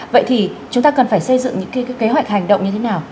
vậy thì chúng ta cần phải xây dựng những kế hoạch hành động như thế nào